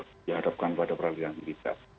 dihadapkan pada peradilan militer